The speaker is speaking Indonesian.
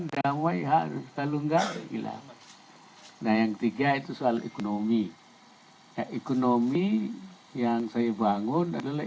dan way harus selalu enggak hilang nah yang tiga itu soal ekonomi ekonomi yang saya bangun adalah